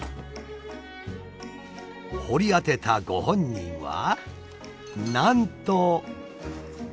掘り当てたご本人はなんと。